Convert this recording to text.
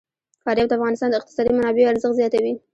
فاریاب د افغانستان د اقتصادي منابعو ارزښت زیاتوي.